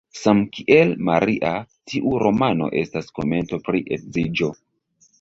Samkiel "Maria", tiu romano estas komento pri edziĝo.